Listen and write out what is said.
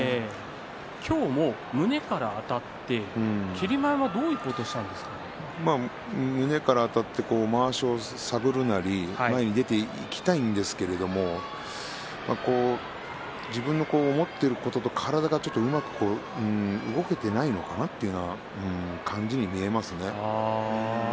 今日も胸からあたって胸からあたってまわしを探るなり前に出ていきたいんですけれども自分の思っている程体がうまく動けていないのか反応していけてないのかなという感じがします。